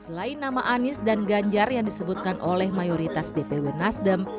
selain nama anies dan ganjar yang disebutkan oleh mayoritas dpw nasdem